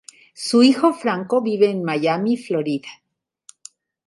Su hijo Franco vive en Miami, Florida.